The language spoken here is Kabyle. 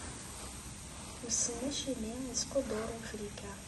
Wissen acimi yesquddur wufrik-a.